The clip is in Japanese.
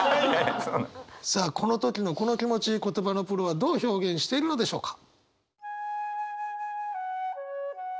さあこの時のこの気持ち言葉のプロはどう表現しているのでしょうか？